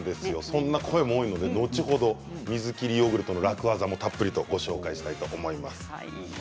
そんな声も多いので後ほど水切りヨーグルトの楽ワザもたっぷりご紹介します。